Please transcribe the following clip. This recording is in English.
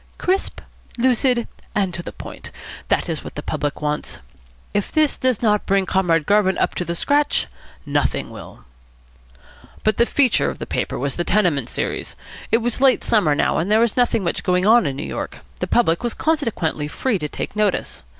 .. Crisp, lucid, and to the point. That is what the public wants. If this does not bring Comrade Garvin up to the scratch, nothing will." But the feature of the paper was the "Tenement" series. It was late summer now, and there was nothing much going on in New York. The public was consequently free to take notice.